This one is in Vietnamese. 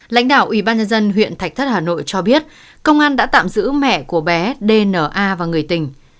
lãnh đạo ủy ban nhân dân huyện thạch thất hà nội cho biết công an đã tạm giữ mẹ của bé dna và người tình